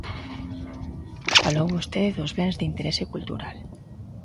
Falou vostede dos bens de interese cultural.